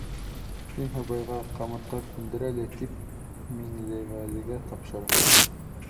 Һин һыбайға, ҡамытҡа күндер әле, тип, Миңлеғәлегә тапшыра.